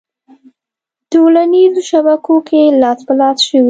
ه ټولنیزو شبکو کې لاس په لاس شوې